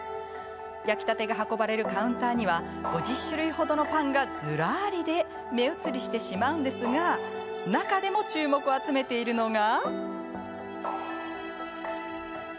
焼きたてが運ばれるカウンターには５０種類程のパンがずらりで目移りしてしまうんですが中でも注目を集めているのが。